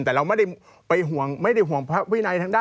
แต่เราไม่ได้ไปห่วงไม่ได้ห่วงพระวินัยทางด้าน